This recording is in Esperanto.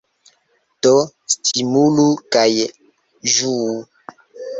Do stimulu kaj ĝuu!